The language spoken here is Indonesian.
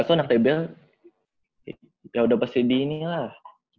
aku anak dbl ya udah pasti di ini lah